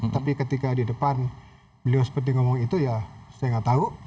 tapi ketika di depan beliau seperti ngomong itu ya saya nggak tahu